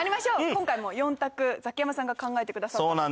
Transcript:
今回も４択ザキヤマさんが考えてくださったんですよね？